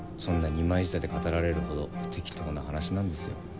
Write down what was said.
そんな二枚舌で語られるほど適当な話なんですよ。